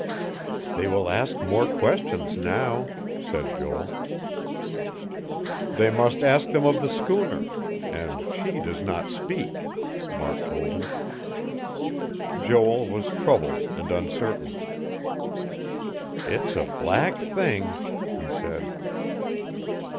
"They will ask more questions now," said Joel. "They must ask them of the schooner; and she does not speak," Mark told him. Joel was troubled and uncertain. "It's a black thing," he said.